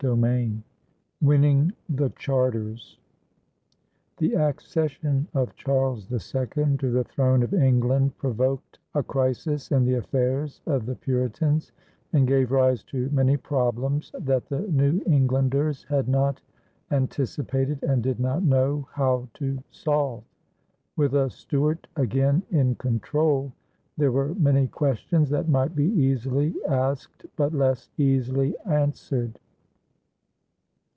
CHAPTER VI WINNING THE CHARTERS The accession of Charles II to the throne of England provoked a crisis in the affairs of the Puritans and gave rise to many problems that the New Englanders had not anticipated and did not know how to solve. With a Stuart again in control, there were many questions that might be easily asked but less easily answered.